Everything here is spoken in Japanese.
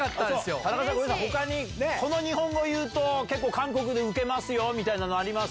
タナカさん、ほかに、この日本語言うと、結構韓国でウケますよみたいなのあります？